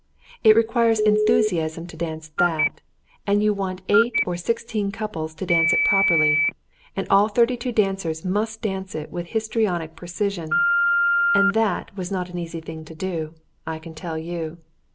It requires enthusiasm to dance that, and you want eight or sixteen couples to dance it properly, and all thirty two dancers must dance it with histrionic precision, and that was not an easy thing to do, I can tell you.